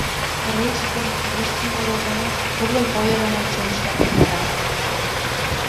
Руштын — руштын огыл гынат, пурлын ойырымо чонышкак витара.